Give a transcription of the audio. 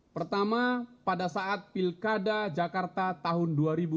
pertama pada saat pilkada jakarta tahun dua ribu dua puluh